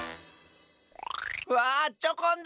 うわチョコンだ！